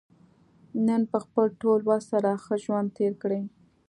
نن په خپل ټول وس سره ښه ژوند تېر کړه.